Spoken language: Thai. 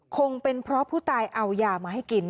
คงเป็นเพราะผู้ตายเอายามาให้กิน